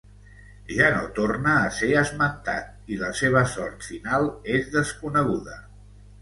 Ja no torna a ser esmentat i la seva sort final és desconeguda.